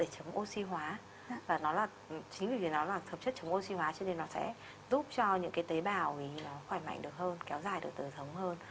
chính vì nó là hợp chất chống oxy hóa cho nên nó sẽ giúp cho những tế bào khỏe mạnh được hơn kéo dài được tới thống hơn